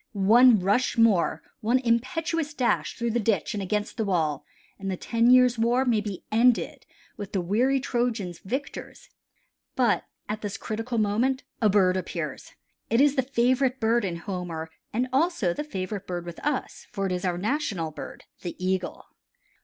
One rush more, one impetuous dash through the ditch and against the wall, and the ten years' war may be ended with the weary Trojans victors. But at this critical moment a bird appears, it is the favorite bird in Homer and also the favorite bird with us, for it is our national bird, the Eagle.